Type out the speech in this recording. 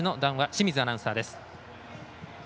清水アナウンサーです。